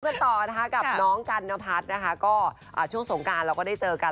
กันต่อนะคะกับน้องกันนพัฒน์นะคะก็ช่วงสงการเราก็ได้เจอกัน